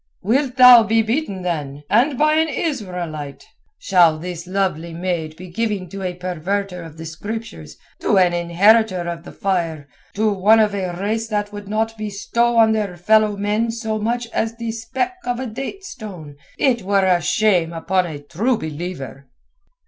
"Wilt thou be beaten then, and by an Israelite? Shall this lovely maid be given to a perverter of the Scriptures, to an inheritor of the fire, to one of a race that would not bestow on their fellow men so much as the speck out of a date stone? It were a shame upon a True Believer."